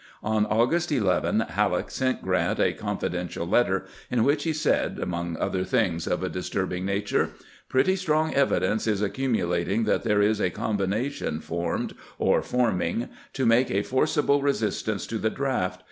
On August 11 Halleek sent Grant a confidential letter, in which he said, among other things of a disturbing nature :" Pretty strong evidence is ac cumulating that there is a combination formed, or form ing, to make a forcible resistance to the draft.